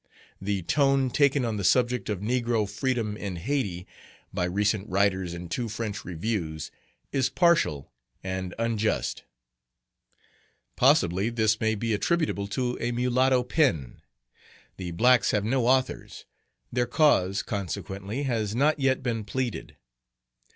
"The tone taken on the subject of negro freedom in Hayti, by recent writers in two French reviews, is partial and unjust. Page iv Possibly this may be attributable to a mulatto pen. The blacks have no authors; their cause, consequently, has not yet been pleaded.